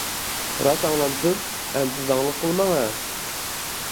-راست ئاڭلامسىز، ئەمىسە زاڭلىق قىلماڭ ھە.